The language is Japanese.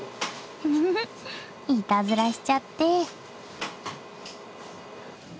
ふふふいたずらしちゃって。